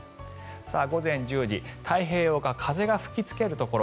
午前１０時太平洋側、風が吹きつけるところ